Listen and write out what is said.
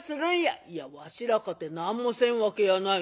「いやわしらかて何もせんわけやない。